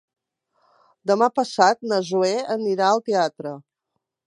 Demà passat na Zoè anirà al teatre.